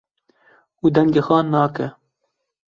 û dengê xwe nake.